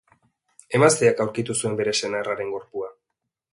Emazteak aurkitu zuen bere senarraren gorpua.